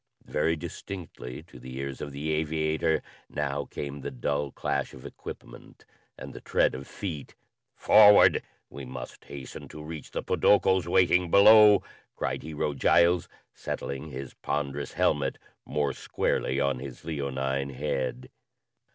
Very distinctly to the ears of the aviator now came the dull clash of equipment and the tread of feet. "Forward! We must hasten to reach the podokos waiting below," cried Hero Giles, settling his ponderous helmet more squarely on his leonine head.